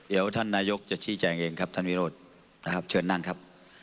เดี๋ยวท่านนายกจะชี้แจงเองครับท่านวิโรธนะครับเชิญนั่งครับ